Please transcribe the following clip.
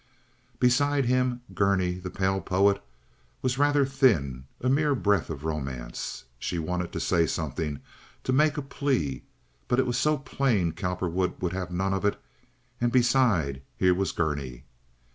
Beside him Gurney, the pale poet, was rather thin—a mere breath of romance. She wanted to say something, to make a plea; but it was so plain Cowperwood would have none of it, and, besides, here was Gurney.